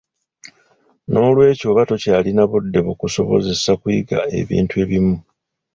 Noolwekyo oba tokyalina budde bukusobozesa kuyiga ebintu ebimu.